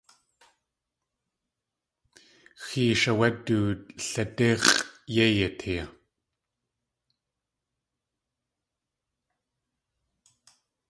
Xéesh áwé du lidíx̲ʼ yéi yatee.